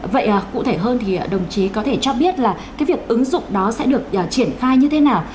vậy cụ thể hơn thì đồng chí có thể cho biết là cái việc ứng dụng đó sẽ được triển khai như thế nào